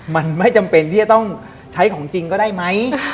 มันไม่จำเป็นที่จะต้องใช้ของจริงก็ได้ไหม